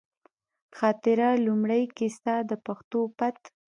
خاطره، لومړۍ کیسه ، د پښتو پت